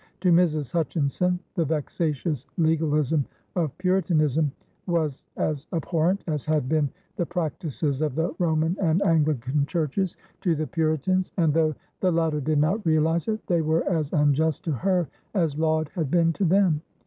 To Mrs. Hutchinson the "vexatious legalism of Puritanism" was as abhorrent as had been the practices of the Roman and Anglican churches to the Puritans, and, though the latter did not realize it, they were as unjust to her as Laud had been to them.